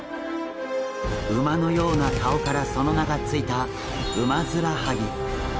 馬のような顔からその名が付いたウマヅラハギ。